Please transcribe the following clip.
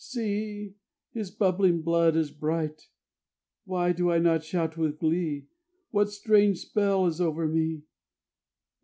See! His bubbling blood is bright. Why do I not shout with glee? What strange spell is over me?